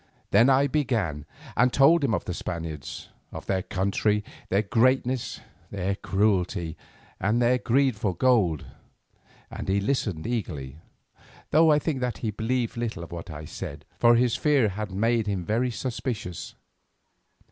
Then I began and told him of the Spaniards—of their country, their greatness, their cruelty and their greed of gold, and he listened eagerly, though I think that he believed little of what I said, for his fear had made him very suspicious.